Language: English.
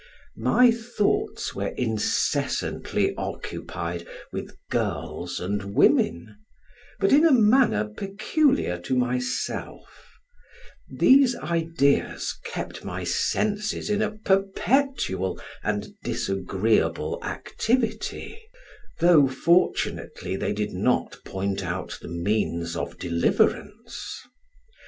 My thoughts were incessantly occupied with girls and women, but in a manner peculiar to myself: these ideas kept my senses in a perpetual and disagreeable activity, though, fortunately, they did not point out the means of deliverance.